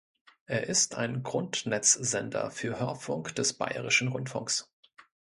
Er ist ein Grundnetzsender für Hörfunk des Bayerischen Rundfunks.